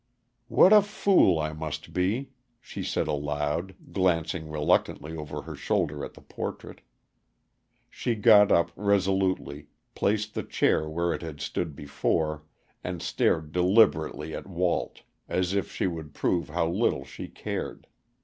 "What a fool I must be!" she said aloud, glancing reluctantly over her shoulder at the portrait. She got up resolutely, placed the chair where it had stood before, and stared deliberately at Walt, as if she would prove how little she cared.